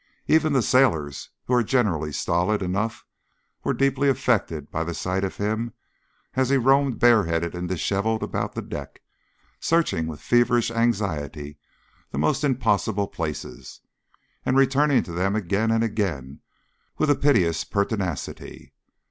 Even the sailors, who are generally stolid enough, were deeply affected by the sight of him as he roamed bareheaded and dishevelled about the deck, searching with feverish anxiety the most impossible places, and returning to them again and again with a piteous pertinacity.